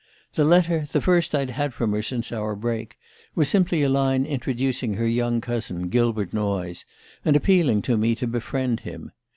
The letter the first I'd had from her since our break was simply a line introducing her young cousin, Gilbert Noyes, and appealing to me to befriend him.